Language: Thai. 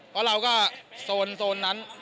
เพราะเราก็โซนนั้น